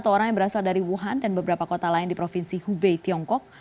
satu orang yang berasal dari wuhan dan beberapa kota lain di provinsi hubei tiongkok